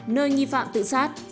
nơi nghi phạm tự sát